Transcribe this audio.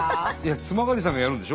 津曲さんがやるんでしょ？